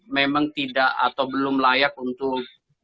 memang tidak atau belum layak untuk